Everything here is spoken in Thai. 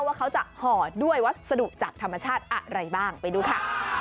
ว่าเขาจะห่อด้วยวัสดุจากธรรมชาติอะไรบ้างไปดูค่ะ